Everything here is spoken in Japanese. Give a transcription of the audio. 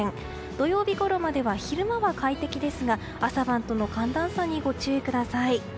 土曜日ごろまでは昼間は快適ですが朝晩との寒暖差にご注意ください。